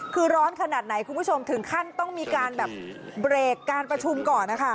คือร้อนขนาดไหนคุณผู้ชมถึงขั้นต้องมีการแบบเบรกการประชุมก่อนนะคะ